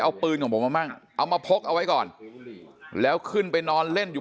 เอาปืนของผมมามั่งเอามาพกเอาไว้ก่อนแล้วขึ้นไปนอนเล่นอยู่